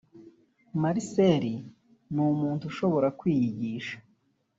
Marcel ni umuntu ushobora kwiyigisha